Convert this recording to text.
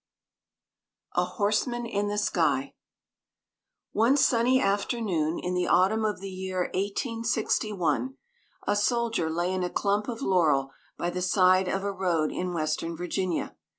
A HORSEMAN IN THE SKY One sunny afternoon in the autumn of the year 1861, a soldier lay in a clump of laurel by the side of a road in Western Virginia.